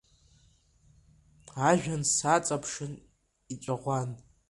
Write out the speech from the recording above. Ажәҩан саҵаԥшын иҵәаӷәан…